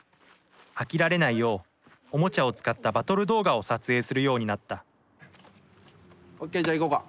飽きられないようおもちゃを使ったバトル動画を撮影するようになったオッケーじゃあいこうか。